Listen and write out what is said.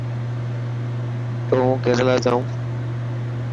تون هون ڪيريلا جائون.